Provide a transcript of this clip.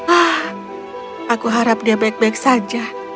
ah aku harap dia baik baik saja